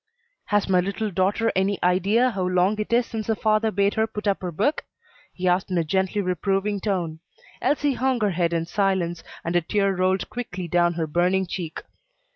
"Has my little daughter any idea how long it is since her father bade her put up her book?" he asked in a gently reproving tone. Elsie hung her head in silence, and a tear rolled quickly down her burning cheek.